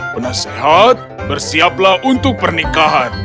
penasehat bersiaplah untuk pernikahan